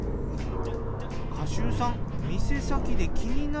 賀集さん